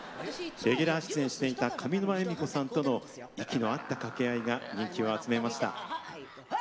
レギュラー出演していた上沼恵美子さんとの息の合った掛け合いが人気を集めました。